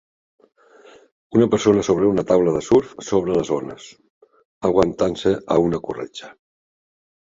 Una persona sobre una taula de surf sobre les ones, aguantant-se a una corretja.